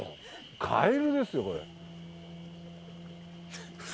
カエルですよこれ。